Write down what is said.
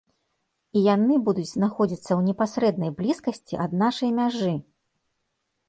І яны будуць знаходзіцца ў непасрэднай блізкасці ад нашай мяжы!